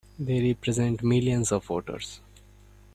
They represent millions of voters!